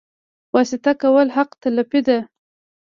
واسطه کول حق تلفي ده